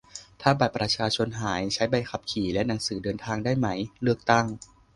ถ้าบัตรประชาชนหาย ใช้ใบขับขี่และหนังสือเดินทางได้ไหม ? เลือกตั้ง